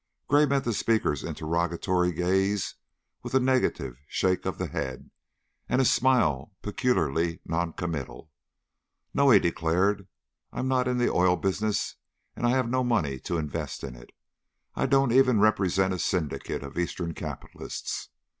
Gray met the speaker's interrogatory gaze with a negative shake of the head and a smile peculiarly noncommittal. "No," he declared. "I'm not in the oil business and I have no money to invest in it. I don't even represent a syndicate of Eastern capitalists.